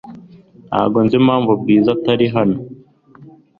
Ntabwo nzi impamvu Bwiza atari hano .